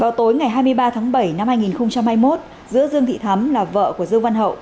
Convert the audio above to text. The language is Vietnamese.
vào tối ngày hai mươi ba tháng bảy năm hai nghìn hai mươi một giữa dương thị thắm là vợ của dương văn hậu